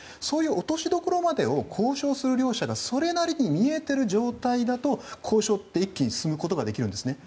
そういう落としどころまでを交渉する両者がそれなりに見えている状態だと交渉は一気に進められます。